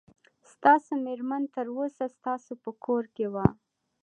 ستاسو مېرمن تر اوسه ستاسو په کور کې وه.